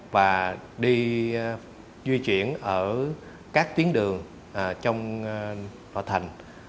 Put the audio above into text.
và đi di chuyển ở các tuyến đường trong hòa thành